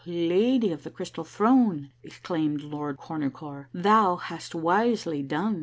Ay, Lady of the Crystal Throne," exclaimed Lord Cornucore, "thou hast wisely done.